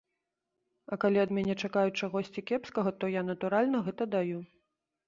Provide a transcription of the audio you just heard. А калі ад мяне чакаюць чагосьці кепскага, то я, натуральна, гэта даю.